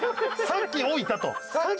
さっき置いた。